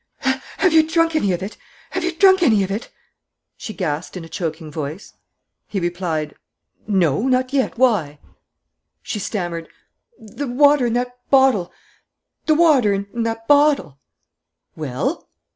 "Have you drunk any of it? Have you drunk any of it?" she gasped, in a choking voice. He replied: "No, not yet. Why?" She stammered: "The water in that bottle ... the water in that bottle " "Well?"